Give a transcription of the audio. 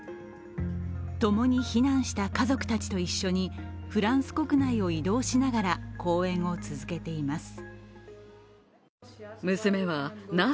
ともに避難した家族たちと一緒にフランス国内を移動しながら公演を続けています。